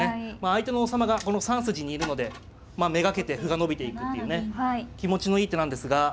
相手の王様がこの３筋にいるので目がけて歩が伸びていくっていうね気持ちのいい手なんですが。